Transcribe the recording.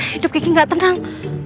hidup kiki gak tenang